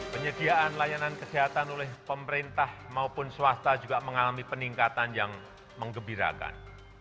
penyediaan layanan kesehatan oleh pemerintah maupun swasta juga mengalami peningkatan yang mengembirakan